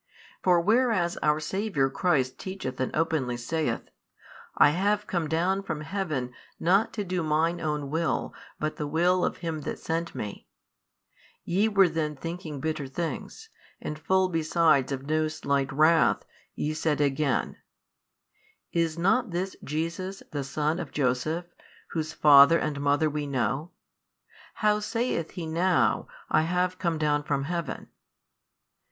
For whereas our Saviour Christ teacheth and openly saith, I have come down from heaven not to do Mine own will but the will of Him That sent Me, ye were then thinking bitter things, and full besides of no slight wrath, ye said again, Is not this Jesus the son of Joseph, whose father and mother WE know? how saith He now, I have come down from heaven?